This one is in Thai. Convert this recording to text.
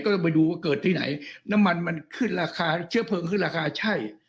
ต้องไปดูว่าเกิดที่ไหนน้ำมันมันขึ้นราคาเชื้อเพลิงขึ้นราคาใช่